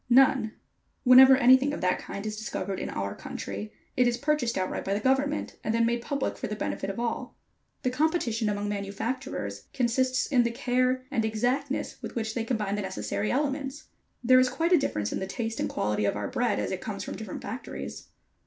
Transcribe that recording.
"None. Whenever anything of that kind is discovered in our country, it is purchased outright by the government, and then made public for the benefit of all. The competition among manufacturers consists in the care and exactness with which they combine the necessary elements. There is quite a difference in the taste and quality of our bread as it comes from different factories."